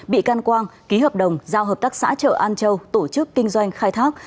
bị can quang ký hợp đồng giao hợp tác xã chợ an châu tổ chức kinh doanh khai thác